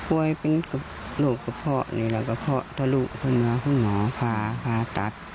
ป่วยเป็นโรคกระเพาะนี่แหละกระเพาะทะลุคุณว่าคุณหมอพาพาตัด